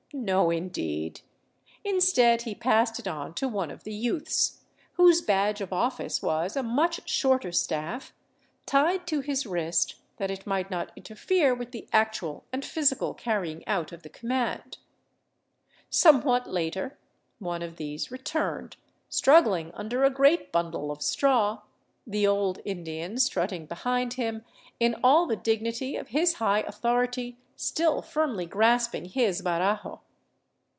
No, in deed ! Instead, he passed it on to one of the youths, whose badge of office was a much shorter staff, tied to his wrist, that it might not inter fere with the actual and physical carrying out of the command. Some what later one of these returned, struggling under a great bundle of straw, the old Indian strutting behind him, in all the dignity of his high authority still firmly grasping his barajo.